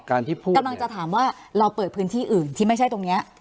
กำลังจะถามว่าเราเปิดพื้นที่อื่นที่ไม่ใช่ตรงเนี้ย